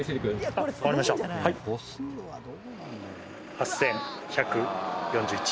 ８１４１。